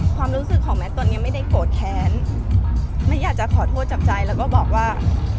ความรู้สึกของแมทตอนนี้ไม่ได้โกรธแค้นแมทอยากจะขอโทษจับใจแล้วก็บอกว่า